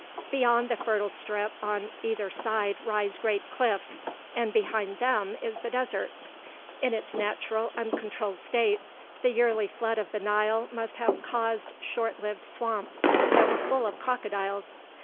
Beyond the fertile strip on either side rise great cliffs, and behind them is the desert. In its natural, uncontrolled state, the yearly flood of the Nile must have caused short lived swamps that were full of crocodiles.